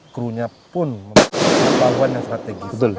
krunya pun memiliki pengetahuan yang strategi